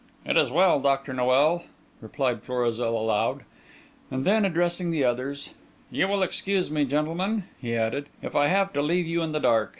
"It is well, Dr. Noel," replied Florizel, aloud; and then addressing the others, "You will excuse me, gentlemen," he added, "if I have to leave you in the dark.